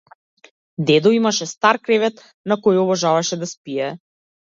Дедо имаше стар кревет на кој обожаваше да спие.